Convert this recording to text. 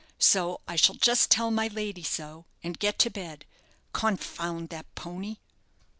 So I shall just tell my lady so, and get to bed. Confound that pony!"